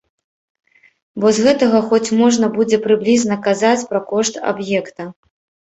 Бо з гэтага хоць можна будзе прыблізна казаць пра кошт аб'екта.